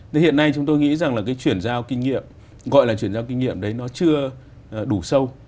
thế hiện nay chúng tôi nghĩ rằng là cái chuyển giao kinh nghiệm gọi là chuyển giao kinh nghiệm đấy nó chưa đủ sâu